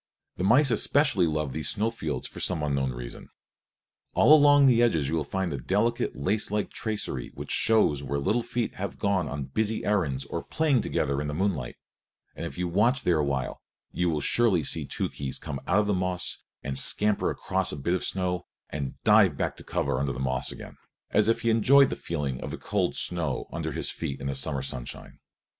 The mice especially love these snow fields for some unknown reason. All along the edges you find the delicate, lacelike tracery which shows where little feet have gone on busy errands or played together in the moonlight; and if you watch there awhile you will surely see Tookhees come out of the moss and scamper across a bit of snow and dive back to cover under the moss again, as if he enjoyed the feeling of the cold snow under his feet in the summer sunshine.